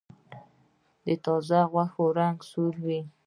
د تازه غوښې رنګ سور وي.